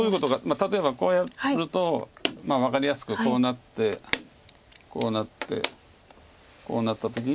例えばこうやると分かりやすくこうなってこうなってこうなった時に。